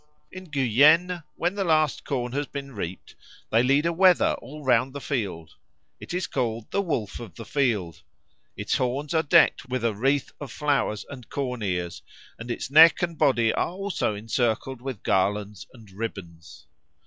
In Guyenne, when the last corn has been reaped, they lead a wether all round the field. It is called "the Wolf of the field." Its horns are decked with a wreath of flowers and corn ears, and its neck and body are also encircled with garlands and ribbons.